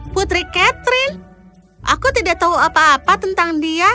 putri catherine aku tidak tahu apa apa tentang dia